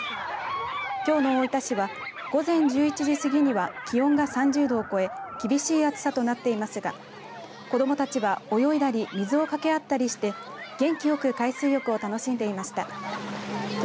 きょうの大分市は午前１１時過ぎには気温が３０度を超え厳しい暑さとなっていますが子どもたちは泳いだり水をかけ合ったりして元気よく海水浴を楽しんでいました。